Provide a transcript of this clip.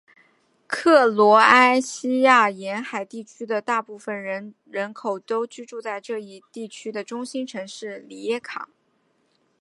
克罗埃西亚沿海地区的大多数人口都居住在这一地区的中心城市里耶卡。